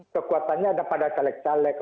kekuatannya ada pada caleg caleg